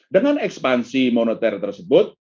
dengan ekspansi moneter tersebut